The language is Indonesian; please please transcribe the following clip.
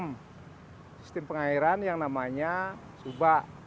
menciptakan sebuah sistem pengairan yang namanya subak